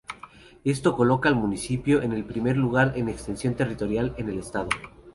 Esto coloca al municipio en el primer lugar en extensión territorial en el estado.